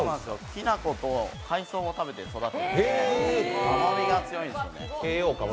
きな粉と海藻を食べて育つ甘みが強いんですよね。